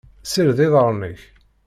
Sired iḍaren-inek.